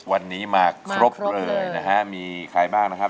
วันนี้มาครบเลยนะฮะมีใครบ้างนะครับ